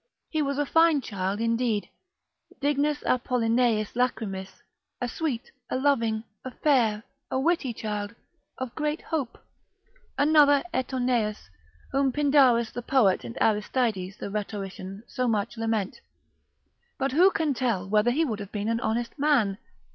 He was a fine child indeed, dignus Apollineis lachrymis, a sweet, a loving, a fair, a witty child, of great hope, another Eteoneus, whom Pindarus the poet and Aristides the rhetorician so much lament; but who can tell whether he would have been an honest man?